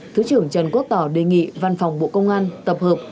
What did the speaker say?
thứ trưởng trần quốc tỏ đề nghị văn phòng bộ công an tập hợp